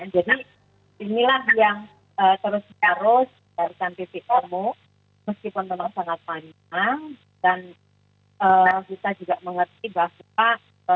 jadi inilah yang terus diharuskan dari pemirsa amu meskipun memang sangat panjang dan kita juga mengerti bahwa kita